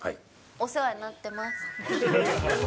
お世話になってます。